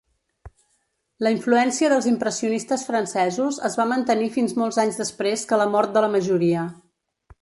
La influència dels impressionistes francesos es va mantenir fins molts anys després que la mort de la majoria.